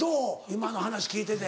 今の話聞いてて。